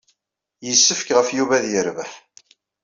Yessefk ɣef Yuba ad yerbeḥ.